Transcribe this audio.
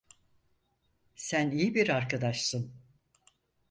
Sen iyi bir arkadaşsın.